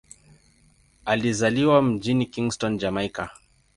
Alizaliwa mjini Kingston, Jamaika.